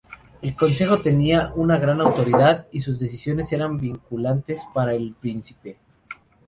El consejo tenía una gran autoridad, y sus decisiones eran vinculantes para el Príncipe.